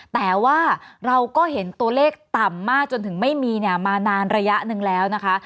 แต่ว่าเราก็เห็นตัวเลขต่ำมากจนถึงไม่มีเนี่ยมานานระยะหนึ่งแล้วนะคะ